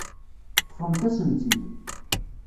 Ṭṭfemt-asen-tt-id.